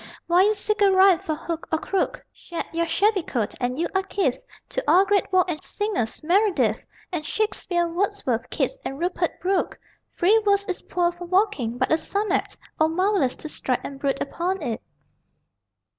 while you seek a rhyme for hook or crook Vanished your shabby coat, and you are kith To all great walk and singers Meredith, And Shakespeare, Wordsworth, Keats, and Rupert Brooke! Free verse is poor for walking, but a sonnet O marvellous to stride and brood upon it!